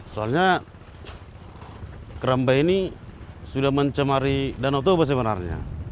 soalnya keramba ini sudah mencemari danau toba sebenarnya